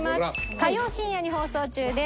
火曜深夜に放送中です。